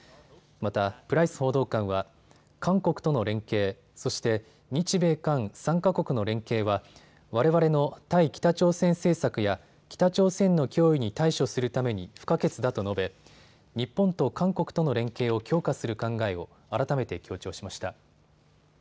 また、プライス報道官は韓国との連携、そして日米韓３か国の連携はわれわれの対北朝鮮政策や北朝鮮の脅威に対処するために不可欠だと述べ日本と韓国との連携を強化する考えを改めて強調しました。